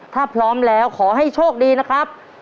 ถ้าพร้อมแล้วขอให้โชคดีนะครับ